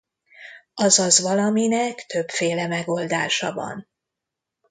Azaz valaminek többféle megoldása van.